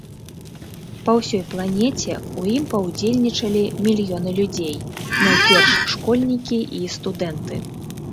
Па ўсёй планеце ў ім паўдзельнічалі мільёны людзей, найперш школьнікі і студэнты.